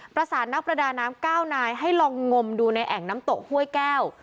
ประสานนักประดาน้ำ๙นายให้ลองงมดูในแอ่งน้ำตกห้วยแก้ว